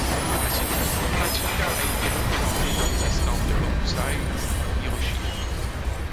À ce titre, Hiratsuka a été representee dans les estampes de Hokusai ou Hiroshige.